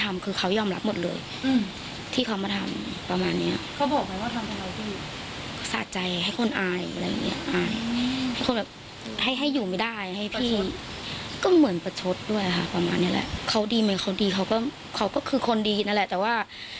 ไม่สมหวังอะ